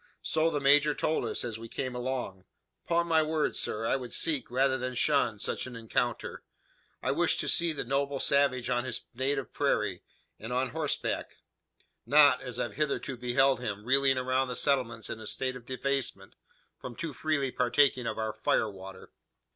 So the major told us, as we came along. 'Pon my word, sir, I should seek, rather than shun, such an encounter. I wish to see the noble savage on his native prairie, and on horseback; not, as I've hitherto beheld him, reeling around the settlements in a state of debasement from too freely partaking of our fire water."